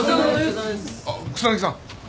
あっ草薙さん。